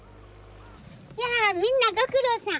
やあみんなご苦労さん。